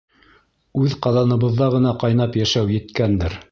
Үҙ ҡаҙаныбыҙҙа ғына ҡайнап йәшәү еткәндер.